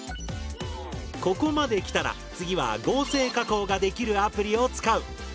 ここまで来たら次は合成加工ができるアプリを使う。